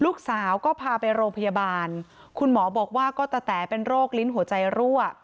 ลูกสาวก็พาไปโรงพยาบาลคุณหมอบอกว่าก็ตะแต๋เป็นโรคลิ้นหัวใจรั่ว